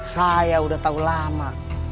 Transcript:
saya udah tau lama